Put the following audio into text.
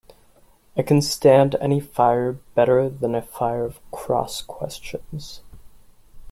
I can stand any fire better than a fire of cross questions.